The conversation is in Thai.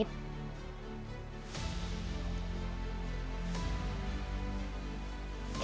ขอบใจมาก